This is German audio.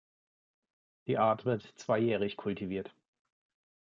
Die Art wird zweijährig kultiviert.